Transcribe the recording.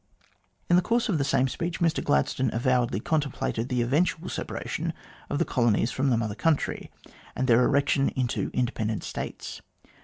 In the course of the same speech, Mr Gladstone avowedly j contemplated the eventual separation of the colonies from j the Mother Country, and their erection into independent 1 States.